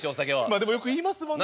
でもよく言いますもんね。